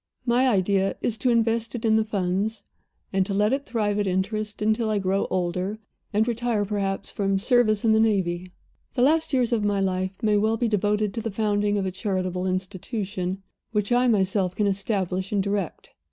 "My idea is to invest it in the Funds, and to let it thrive at interest, until I grow older, and retire perhaps from service in the Navy. The later years of my life may well be devoted to the founding of a charitable institution, which I myself can establish and direct.